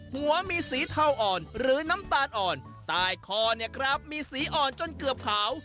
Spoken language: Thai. หัวมีสีเทาอ่อนหรือน้ำตาลอ่อนใต้คอเนี่ยครับมีสีอ่อนจนเกือบขาว